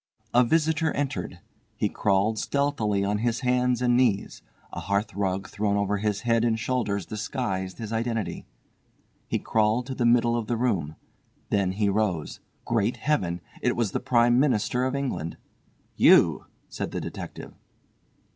A visitor entered. He crawled stealthily on his hands and knees. A hearthrug thrown over his head and shoulders disguised his identity. He crawled to the middle of the room. Then he rose. Great Heaven! It was the Prime Minister of England. "You!" said the detective.